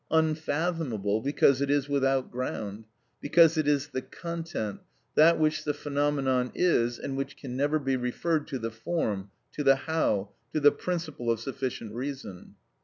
Unfathomable because it is without ground, because it is the content, that which the phenomenon is, and which can never be referred to the form, to the how, to the principle of sufficient reason.